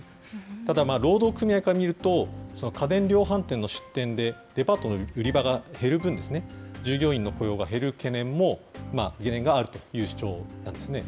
ただ、労働組合から見ると、家電量販店の出店でデパートの売り場が減る分、従業員の雇用が減る懸念も、懸念があるという主張なんですね。